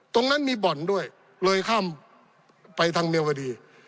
ตรงนั้นมีบ่อนด้วยเลยข้ามไปทางเมียวดี